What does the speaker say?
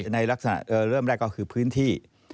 ในลักษณะเริ่มแรกก็คือพื้นที่